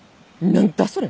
何だそれ。